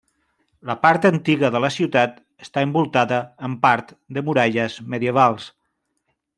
La part antiga de la ciutat està envoltada en part de muralles medievals.